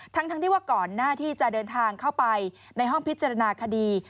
ทั้งที่ว่าก่อนหน้าที่จะเดินทางเข้าไปในห้องพิจารณาคดี